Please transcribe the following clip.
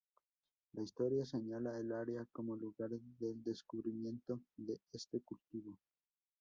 La historia señala el área como lugar del descubrimiento de este cultivo.